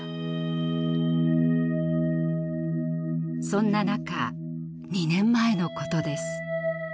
そんな中２年前のことです。